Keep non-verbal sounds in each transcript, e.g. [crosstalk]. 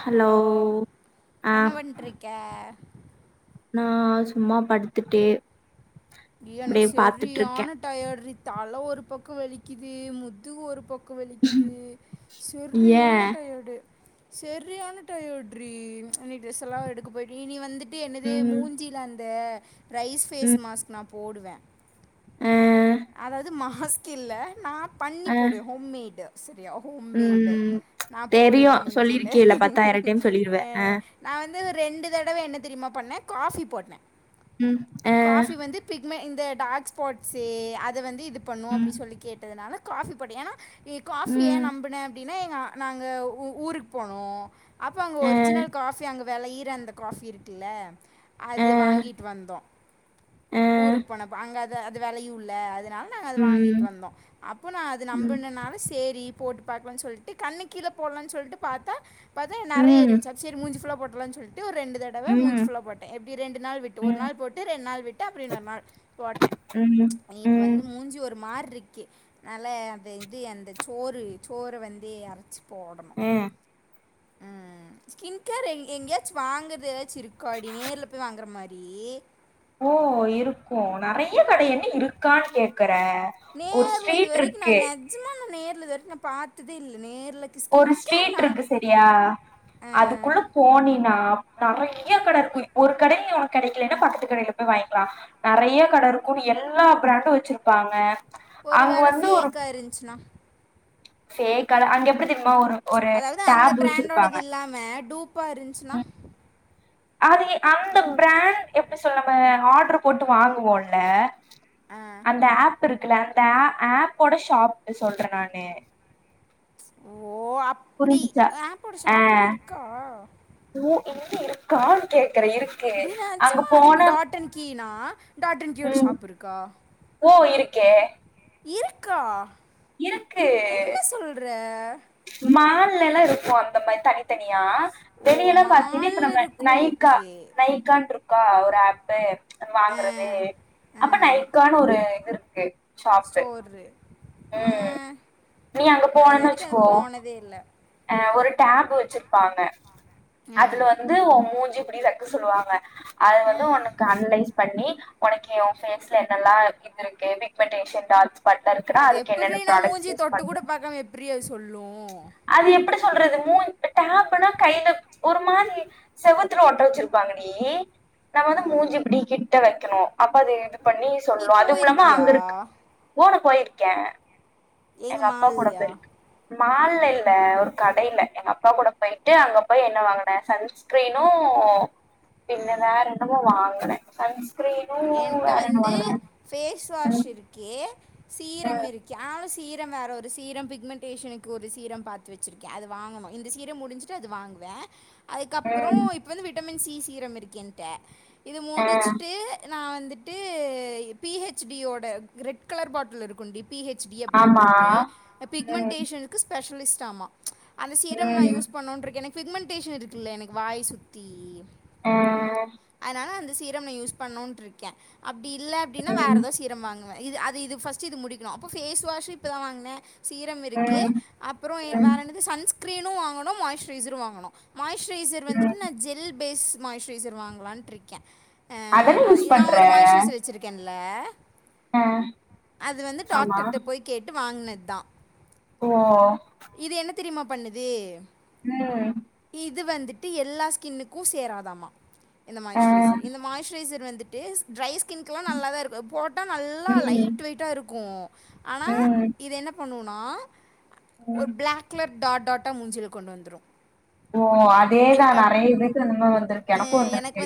Hello அ க நா சும்மா படுத்துட்டே எனக்கு இருக்கே செரியான டயட்ரீ தல ஒரு பக்க வலிக்குது முதுகு ஒரு பக் கோ வலிக்குது ஏ சரியான டயடு சரியான டையட்ரீ ட்ரெஸ்ல்லா எடுக்க போய்ட்ட இனி வந்துட்டு என்னது ம் மூஞ்சியில அந்த ரைஸ் ஃபேஸ் ம் மாஸ்க் போடுவ ஆ அதாவது மாஸ்க் இல்ல நா பண்ணி ஆ போடுவ ஹோம்மேடு் சரியா ஹோம்மேடு ம் நா தெரியு போடுவே முஞ்சில சொல்லிருக்கேல பத்தாயிர டைம் சொல்லிருவ ஆ நா வந்து ரெண்டு தடவ என்ன தெரியுமா பண்ண காஃபி போட்ன ம் ஆ காஃபி வந்து ஃபிக்ம இந்த டாக் ஸ்பாட்ஸு அத வந்து இது பண்ணு ம் அப்டின்னு சொல்லி கேட்டதுனால காஃபி போட ஏன்னா ஏ காஃபி ஏன் ம் நம்புனே அப்படின்னா எ நாங்க ஊ ஊருக்கு போனோ அப்ப அங்க ஆ ஒரிஜினல் காஃபி அங்க வெளையிற காஃபி இருக்குல்ல ஆ அது வாங்கிட்டு வந்தோம ஆ ஊருக்கு போனப்ப அங்க அத அது வெளையுல்ல அதனால நாங்க அது வாங்கிட்டு ம் வந்தோ அப்போ நா அது ம் நம்பனனால சரி போட்டு பாக்கலான்னு சொல்ட்டு கண்ணுக் கீழ போடலானு சொல்ட்டு பாத்தா பாத்த நெறைய ம் இருச்ச சரி மூஞ்சிபுல்லா போட்ருலானு சொல்லிட்டு ஒரு ரெண்டு தர ம் டவ மூஞ்சிபுல்லா போட்டே எப்டி ரெண்டு நாள் விட்டு ஒரு ம் நாள் போட்டு ரெண்டு நாள் விட்டு அப்டின்னு ஒரு நாள் போட்டே ம் இப்போ ம் வந்து மூஞ்சி ஒரு மார் இருக்கு நால அத இது அந்த சோறு சோற வந்து அரைச்சு போடும் ம் ம் ஸ்கின் கேர் எ எங்கயாச்சு வாங்குற ஏதாச்சு இருக்கா டி நேர்ல இப்ப வாங்குற மாரி ஓ இருக்கு நெறைய கடை என்ன இருக்கான்னு கேக்குற ஒரு நேர்ல இது ஸ்ட்ரீட் வரைக்கு நா இருக்கு நெஜமா நேர்ல இதுவரைக்கு நா பாத்ததே இல்ல நேர்ல ஒரு ஸ்சிட்டு இருக்கு சரியா அஹ், அதுக்குள்ள போனினா நெறைய கடை இருக்கு ஒரு கடை உனக்கு கெடைக்கலன்னா பக்கத்து கடையில போய் வாங்கிக்கலா நெறைய கடை இருக்கும்ன்னு எல்லா பிராண்டு வச்சிருப்பாங்க அங்க ஒருவேள வந்து ஃபேக்கா இருந்ச்சுனா பேக்கலா அங்க எப்டி தெரியுமா ஒரு ஒரு அதாவது அந்த டேப் வச்சிருப்பாங்க பிராண்டோடது இல்லாம டூப்பா இருந்துச்சுனா அது அந்த ப்ராண்ட் எப்டி சொல்ல நம ஆர்ட்ரு போட்டு வாங்குவோம்ல அஹ், அந்த ஆப் இருக்குல்ல அந்த ஆ ஆப்போட ஷாப் சொல்றே நானு ஓ அப்டி புரிஞ்சுச்சா ஆப்போட ஆ ஷாப்புல்லா இருக்கா ஓ இன்ன இருக்கான்னு கேக்குற இரு டி நெச்சமா இப்ப டாட்டன் கீனா டாடன் கியோட ம் ஷாப் இருக்கா ஓ இருக்கே இருக்கா இருக்கு என்ன சொல்ற மான்ல எல்லா இருக்கு அந்த மாரி தனி தனியா ஓ வெளிய எல்லா பாத்தீங்கன்னா மால் இப்ப இருக்கும் நைக்கா ஓகே நைக்கானு இருக்கா ஒரு ஆப்பு இது ஆ வாங்கறது அப்ப ஆ நைக்கானு ஒரு இது இருக்கு ஷாப்பு அது ம் நீ அங்க போனனு வரைக்கு வச்சிகோ அது போனதே இல்ல ஆ ஒரு டேப் வச்சிருப்பாங்க ஆ அதுல வந்து ந்து மூஞ்சு இப்டி வைக்க சொல்லுவாங்க அது ஆ வந்து உனக்கு அனலைஸ் பண்ணி உனக்கு ஏ உன் ஃபேஸ்ல என்னல்லா இது இருக்கு பிக்மென்டேஷன் டார் அது எப்டிரி நா மூஞ்சி தொட்டு கூட பண்ணு பாக்காம எப்டிரி அது சொல்லு அது எப்படி சொல்றது மூ டேப்னா கையில ஒரு மாதிரி செவ்வத்துல ஓட்ட வச்சிருப்பாங்கடி நம்ம ஆ வந்து மூஞ்சு இப்படி கிட்ட வெக்கணு அப்ப அது இது பண்ணி நீ சொல்லு அது மூலமா போயிருக்கியா அங்க இருக்கு ஊனு போயிருக்கே எங்க எங்கப்பா கூட மால்லயா போயிருக்கு மால்ல இல்ல ஒரு கடைல எங்க அப்பா கூட போயிட்டு அங்க போய் என்ன வாங்குனே சன்ஸ் ஸ்கரீனும் பின்ன ஆ வேற என்னமோ வாங்குன சன்ஸ் ஸ்கிரீனு என்கிட்ட வேற என்ன வந்து வாங்குன ஃபேஸ் வாஷ் இருக்கே சீரம் ம் இருக் ஸ்கெல் சீரம் வேற ஒரு சீரம் பிக்மெண்டேஷனுக்கு ஒரு சீரம் பாத்து வெச்சிருக்கே அது வாங்கணு இந்த சீரம் முடிஞ்சு இது வாங்குவே அதுக்கப்றோ ம் இப்போ வந்து விட்டமின் சி சீரம் இருக்கு என்ட இது ஆ முடிச்சுட்டு நா வந்துட்டு பி ஹெச் பியோட ரெட் கலர் பாட்டில் இருக்கு டி பி ஹெச் பி அப்டின்னு ஆமா போட்டு ம் பிக்மெண்டேஷனுக்கு ஸ்பெஷலிஸ்ட் ஆமா அந்த சீரம் நா ம் யூஸ் பண்ணும்டு இருக்கே எனக்கு பிக்மெண்டடேஷன் இருக்குல்ல எனக்கு வாய சுத்தி ஆ அதனால அந்த சீரம் நா யூஸ் பண்ணும்டு இருக்கே அப்டி இல்ல அப்டின்னா வேற ம் ஏதாது சீரம் வாங் இது அது இது ஃபர்ஸ்ட் இது முடிக்கணு ஃபேஸ் வாஷு இப்பதா வாங்குன சீரம் இருக்கு ம் அப்றோ ம் வேற என்னது சன்ஸ்கிரீனு வாங்கணு மாய்ஸ்ரைசரு வாங்கணு மாயிஸ்சுரைசர் ம் வந்துட்டு நா ஜெல் பேஸ்டு மாய்ச்சுரைசர் வாங்கலான்ட்டு இருக்கே அ அதென்ன யூஸ் பண்ற நாளைக்கு ஒரு மாய்ஸ்ரைசர் வச்சிருக்கேன்ல அ அது வந்து ஆமா டாக்டர்ட போய் கேட்டு வாங்குனது தா ஓ இது என்ன தெரியுமா பண்ணுது ம் இது வந்துட்டு எல்லா ஸ்கின்னுக்கு சேராதாமா இந்த அ மாயஸ்சரைசர் இந்த மாய்சரைசர் வந்துட்டு டிரை ஸ்கின்கெல்லா நல்ல தா இருக்கு போட்டா நல்லா ம் லைட் வெயிட்டா இருக்கு ஆனா ம் இது என்ன பண்ணுவெம்னா ஒரு ம் பிளாக் களர்க் டட் டட்டா முஞ்சில கொண்டு வந்துரு ஓ அதேதா நெறைய பேத்துக்கு இந்த மாரி வந்திருக்கு எனக்கு வந்துருக்கு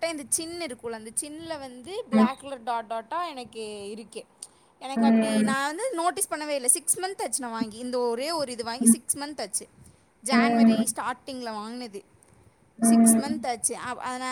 ட்ட இந்த சின் இருக்குல அந்த சின்ல வந்து ம் பிளாக் கலர் டட் டாட்டா எனக்கு இருக்கு எனக்கு அப்டி ம் நா வந்து நோட்டீஸ் பண்ணவே இல்ல சிக்ஸ் மந்த் ஆச்சு வாங்கி இந்த ஒரே ஒரு இது வாங்கி ம் சிக்ஸ் மந்த் ஆச்சு ஜான்வரி ம் ஸ்டார்ட்டிங்ல வாங்குனது சிக்ஸ் ம் மந்த் ஆச்சு ஆ ஆன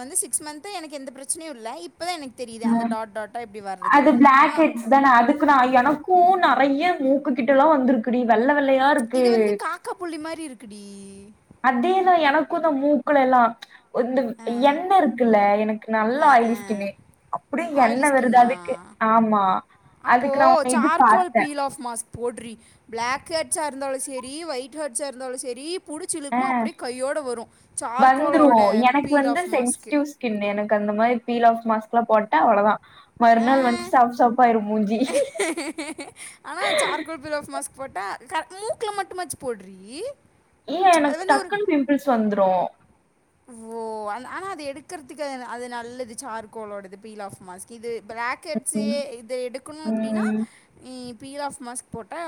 வந்து சிக்ஸ் மந்த்து எனக்கு எந்த பிரச்சனையு இல்ல இப் பதா எனக்கு தெரியுது அந்த ம். டாட் டாட்டா இப்டி வர்றது அப்பனா க்கு தா அதுக்கு நா எனக்கு நெறைய மூக்கு கிட்ட எல்லா வந்திருக்குடி வெள்ள வெள்ளையா இருக்கு இது வந்து காக்கா புள்ளி மாரி இருக்குடி அதேதா எனக்கு இந்த மூக்குள எல்லா இந்த ஆ எண்ண இருக்குல்ல எனக் நல்லா ஆ ஆ ஆயிலி ஸ்கின்னு அப்டியே ஆயிலி எண்ணெ வருது ஸ்கின்னா அதுக்கு ஆமா அதுக்கு நா ஒர் இது பாத்தே க்ளோஸ் மாஸ்க் போட்ரி பிளாக் ஹெட்ஸா இருந்தாலும் செரி ஒயிட் ஹெட்ஸா இருந்தாலும் செரி புடிச்சு ஆ இழுக்குமா அப்டியே கையோடு வரும் சார்கோலோட பீல் ஆஃப் மாஸ்க்கு ஸ்கின்னு எனக்கு அந்த மாரி பீல் ஆஃப் மாஸ்க்லா போட்ட அவ்ளோ தா மறுநாள் வந்து செவப்பு செவப்பா ஆயிரும் மூஞ்சி ஆனா சார்கோல் பீல் ஆஃப் மாஸ்க் போட்டா க மூக்குல மட்டுமாச்சு போட்ரி இல்ல எனக்கு டக்குன் பிம்பிள்ஸ் வந்துரு ஓ ஆனா அது எடுக்குறதுக்கு அது நல்லது சார்கோலோடது பீல் ஆஃப் மாஸ்க் இது பிளாக் ம் ஹெட்ஸ்ஸியே இத எடுக்கணு அப்டின்னா ம் நீ பீல் ஆஃப் மாஸ்க் போட்டா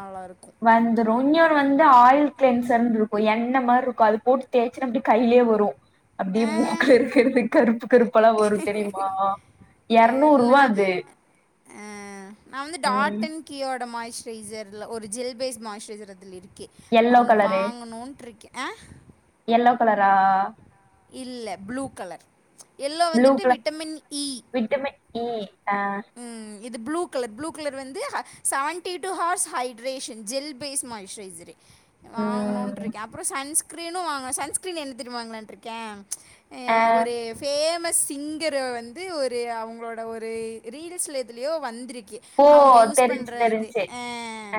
நல்லாருக்கு வந்துரும் இன்னொரு வந்து ஆயில் கிளன்சர்னு இருக்கும் என் என்ன மாரி இருக்கு அது போட்டு தேய்சனா அப்டி கைலே வரு அப்டியே மூக்கல ஆ இருக்கிறது கருப்பு கருப்பலா வரு தெரியுமா இரநூறு ரூவா அது நா வந்து டாட் ம். டன் கீயோட மாய்சஸ்சிரரைஸர் ஒரு ஜெல் பேஸ்ட் மாய்சஸ்சிரரைஸர் அதில இருக்கு யெல்லோ அவனு கலரு வாங்கணுன்ட்டு இருக்கேன் யெல்லோ கலரா இல்ல ப்ளூ கலர் யெல்லோ ப்ளூ வந்துட்டு colour vitamin E vitamin E அ ம் இது ப்ளூ கலர் ப்ளூ கலர் வந்து seventy two hours hydration gel base மாயிஸ்சரைஸரு ம். வாங்கணுட்ருக்கே அப்றோ சன்ஸ்கிரீனு வாங்கனு சன்ஸ்கிரீன்ல என்ன தெர்மா வாங்கலான்ட்ருக்கே ஆ. ஒரு ஃபேமஸ் சிங்கர வந்து ஒரு அவங்ளோட ஒரு ரீல்ஸ்ல எதுலயோ வந்துருக்கு ஓ! அவுங்க யூஸ் பண்ற தெரிஞ்சுச்சு இது தெரிஞ்சுச்சு.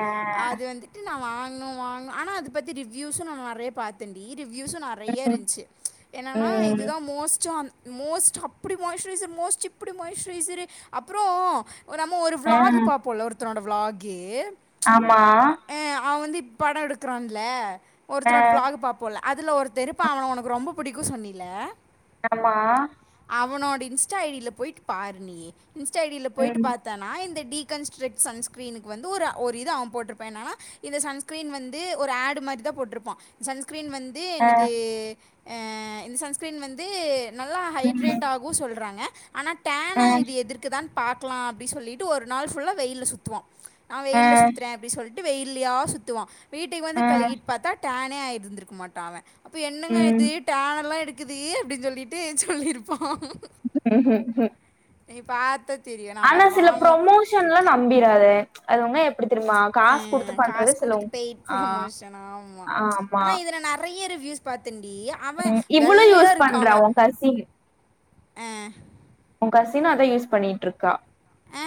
ஆ. அது வந்து ட்டு நா வாங்னு வாங்னு ஆனா அத பத்தி ரிவ்வியூஸ்ஸு நா நெறைய பாத் தண்டி ரிவ்யூஸும் நெறைய ம். இருந்ச்சு என்னன்னா ம். இதுதா மோஸ்ட்டும் மோஸ்ட் அப்படி மாய்ஸ்ரைசர் மோஸ்ட் இப்படி மாய்ஸ்ரைசரு அப்புறோ நம்ம ஒரு ஆ. விளாக் பாப்போம்ல ஒருத்தனோட விளாகு ஆமா எ அவ வந்து இப்ப படம் எடுக்கிறான்ல ஆ. ஒருத்தனோட விளாக் பாப்போம்ல அதில ஒருத்த இருப்பா அவன உனக்கு ரொம்ப புடிக்கும் சொன்னில ஆமா அவனோட இன்ஸ்டா ஐடில போயிட்டு பாரு நீ இன்ஸ்டா ஐடியில போயிட்டு ம். பாத் தன்னா இந்த டிகன்ஸ்ட்ரக்ட் சன்ஸ்கிரீனுக்கு வந்து ஒரு ஒரு இது அவ போட்ருப்பா என்னன்னா இந்த சன்ஸ்கிரீன் வந்து ஒரு ஆட் மாரி தா போட்ருப்பா சன்ஸ்கிரீன் வந் து ஆ. எனது இந்த சன்ஸ்கிரீன் வந்து நல்லா ம். ஹைட்ரேட் ஆக் கு சொல்றாங்க ஆனா ஆ. டேன இது எதிர் குதான் பாக்கலா அப்டின் சொல்லிட்டு ஒரு நாள் ஃபுல்லா வெயில்ல சுத்துவா நா ஆ. வெயில்ல சுத்துற அப்டி சொல் ட்டு வெயில்லியா சுத்துவா வீட்டுக்கு வந்து ஆ. கழுகிட் பாத்தா டேனே ஆய்ருந்திருக்க மாட்ட அவ அப்ப என்னங்க இது டேன் எல்லா எடுக்குது ஏன் அப்டின் சொல்லிட்டு சொல்லியிருப்பா [unintelligible] ம்ம் பாத்து ஆனா சில ப்ரொமோஷன்லா நம்பிராத அதுவுமே எப்டி தெரியுமா காசு குடுத்து பண்றது சிலவங் பெயிட் ப்ரமோஷன் ஆமா ஆனா இதுல நெறைய ரிவ்யூஸ் பாத்தேன்டி அவ ம் இவளு வெள்ளையா யூஸ் இருக்கா பண்றா அவ உ கசின் ஆ உன் கசின்னு அத யூஸ் பண்ணிட்ருக்கா ஆ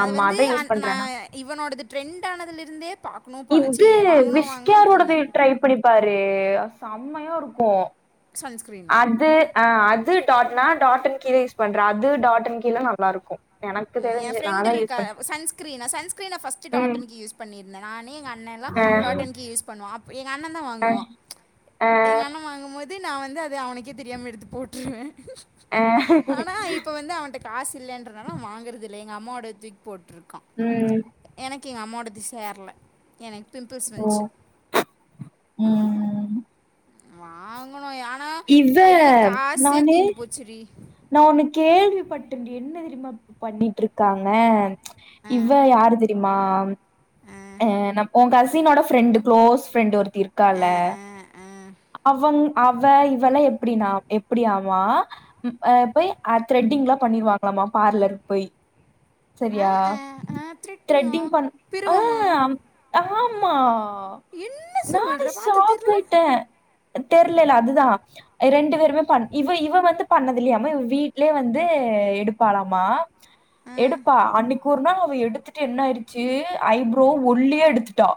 அது ஆமா வந்து அதா யூஸ் நா பண்றானா இவனோடது ட்ரெண்ட் ஆனதுல இருந்தே பாக் கணு பா சி இது வாங்கணு வாங்கணுன்ட்ருந்த விஷ்கேரோடது ட்ரை பண்ணிப்பார்றீ சம்மையாருக்கு சன்ஸ் அது அ அதுடாட்னா டாட் அண்ட் கீழ யூஸ் பண்ற அது டாட் அண்ட் கீழ நல்லாருக்கு என் ஃப்ரெண்ட் இருக்கா சன்ஸ்கிரீன்னா சன்ஸ்கிரீன ஃபர்ஸ்ட்டு டாட் ம் அண்ட் கீழ் யூஸ் பண்ணிருந்தே நானு எங்க அண்ணன்ல்லா ஆ டாட் அன் கி யூஸ் பண்ணுவ அப்ப எங்க அண்ணதா ஆ வாங்குவா ஆ ம்ச் எங்கள் அண்ணே வாங்கும்போ து நா வந்து அத அவனுக்கே தெரியாம எடுத்து போட்ருவே ஆ ஆனா இப்ப வந்து அவன்ட காஸ் இல்லன்றதனால அவ வாங்குறதில்ல எங்க அம்மோவோடத தூக்கி போட்டுருக்கா ம் எனக்கு எங்க அம்மோடது சேரல எனக்கு பிம்பிள்ஸ் ஓ வந்துச்சு ம் வாங்கணு ஆனா இவ கையில காசே நானு தீந்து போச்சுடி நா ஒண்ணு கேள்வி பட்டே டி என்ன தெரிமா பண்ணிட்டுருக்காங்க ம்ச் ஆ இவ யாரு தெரிமா ஆ நம் ஓ கசினோட ஃப்ரெண்டு குளோஸ் ஃப்ரெண்டு் ஒருத்தி இருக்கால்ல ஆ ஆ ஆ அவன் அவ இவெல்லா எப்டின்னா எப்டியாமா ம் ஆ போய் ஆ த்ரெட்டிங்ல்லா பண்ணிருவாங்களாமா பார்லர் போய் ஆ செரியா ஆ ஆ திருட்டியா திரெட்டிங் பண் ஆ பிருவமா ஆமா என்ன நானே சொல்ற பாத்தா தெர்ல ஷாக்கய்ட்டே தெர்லேல அதுதா ரெண்டு பேருமே பண் இவ இவ வந்து பண்ணது இல்லியாம இவ வீட் லே வந்து எடுப்பாலாமா ஆ எடுப்பா அன்னிக் கொர்னா அவ எடுத்துட்டு என்ன ஆய்டுச்சு ஐப்ரோ ஒல்லியா எடுத்துட்டா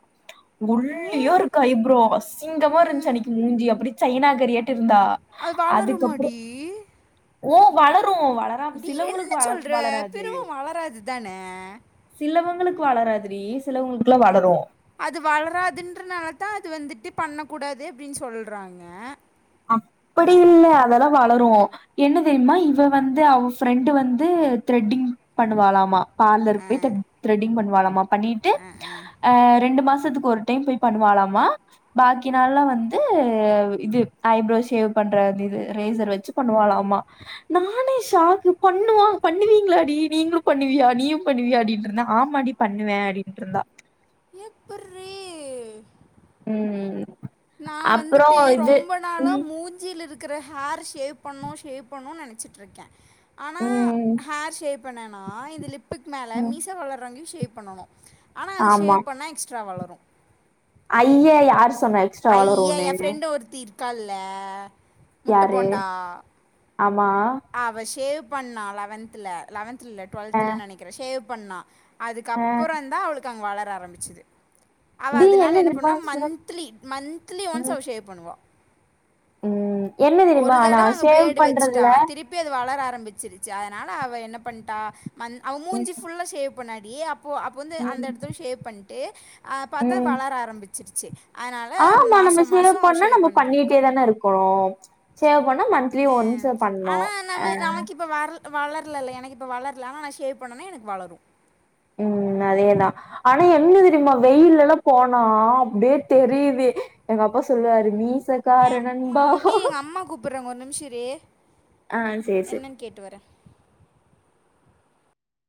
ஒல்லியா இருக்கு ஐப்ரோ அசிங்கமா இருஞ்சு ம் அன்னிக்கு மூஞ்சி அப்டி சைனா கறியாட்ட இருந்தா அது அதுக்கப்றோ வளருமாடி ஓ வளரு வள வளராம டி சிலவங்களுக்கு என்ன சொல்ற வளராது பிரருவோ வளராதுதான சிலவங்களுக்கு வளராது டீ சிலவங்களுக்குல்லா வளரு அது வளராதுன்றனால தா அது வந்துட்டு பண்ணக்கூடாது அப்டின் சொல்றாங்க அ அப்டி இல்ல அதெல்லா வளரு என்ன தெரியுமா இவ வந்து அவ ஃப்ரெண்டு் வந்து த்ரெட்டிங் பண்ணுவாலாமா பார்லருக்கு போய் த்ரெட் த்ரெட்டிங் பண்ணுவாலாமா பண்ணிட்டு ஆ ரெண்டு மாசத்துக்கு ஒரு டைம் போய் பண்ணுவாலாமா பாக்கி நாள்லா வந்து இது ஐப்ரோ ஷேவ் பண்ற இது ரேசர் வச்சு பண்ணுவாலாமா நானே ஷாக்கு பண்ணுவா பண்ணுவீங்களா டீ நீங்களு பண்ணுவியா நீயு பண்ணுவியா டீனுருந்தே ஆமாடி பண்ணுவே அப்டீன்ட் இருந்தா எப்பிர்ரி ம் நா அப்றோ வந்துட்டு இது ரொம்ப நாளா ம் மூஞ்சியில இருக் கிற ஹேர் ஷேவ் பண்ணு ஷேவ் பண்ணு நெனச்சிட்ருக்கே ஆனா ம் ஹேர் ஷேவ் பண்ணேன்னா இந்த லிப்புக்கு மேலே ம் மீச வளர்றங்கி ஷேவ் பண்ணணு ஆனா அது ஷேவ் பண்ணா எக்ஸ்ட்ரா வளரு ஐய்யே யார் சொன்னா எக்ஸ்ட்ரா ஐய்யே வளரும்னு ஏ ஃப்ரெண்ட் ஒருத்தி இருக்கால யாரு ஆமா அவ ஷேவ் பண்ணா லெவன்த்ல லெவன்த்ல இல்ல டுவெல்த்ல அஹ், நெனைக்கிறே ஷேவ் பண்ணா அஹ். அதுக்கப்புறோந்தா அவளுக்கு அங்க வளர ஆரம்பிச்சிது அவ டி அதனா என்ன தெரியுமா பண்ணுவா சே- மந்த்லி மந்த்லி ஒன்ஸ் ம், அவ ஷேவ் பண்ணுவா ம். என்ன தெரியுமா ஒரு ஆனா தடவ அங்க சேவ் பிளேடு வச்சுட்டா பண்றதுல திருப் பி அது வளர ஆரம்பிச்சிருச்சு அதனால அவ என்ன பண்ட்டா மந் அவ ம், மூஞ்சி ஃபுல்லா ஷேவ் பண்ணா டி அப்போ அப்போ வந்து அந்த ம், எடத்துல ஷேவ் பண்ட்டு அ பாத்தா ம். வளர ஆரம்பிச்சிருச்சு அதனால மாசோ மாசோ அவ ஷேவ் பண்ட்டுருக்கா என்ன இருக்கோ ஆ ஆனா நம்ம நமக்கு இ ப்ப வர்ள் வளர்ல இல்ல எனக்கு இப்போ வளர்ல ஆனா நா ஷேவ் பண்ணேனா எனக்கு வளரு ம் அதேதா ஆனா என்ன தெரியுமா வெயில்லெல்லா போனா அப்டியே தெரியுது எங்க அப்பா சொல்லுவாரு மீசக்கார ஏன் மா, நண்பா டேய் எங்கள் அம்மா கூப்பிட்றாங்க ஒரு நிம்ஷோ இரு ஆ சேரி சேர் என்னன்னு கேட்டு வரே